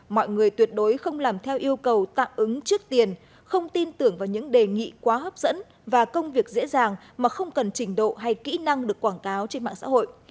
mọi người tuyệt đối không làm theo yêu cầu tạm ứng trước tiền không tin tưởng vào những đề nghị quá hấp dẫn và công việc dễ dàng mà không cần trình độ hay kỹ năng được quảng cáo trên mạng xã hội